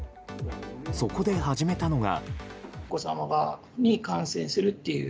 そこで始めたのが。